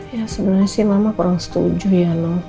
ya sebenarnya sih mama kurang setuju ya no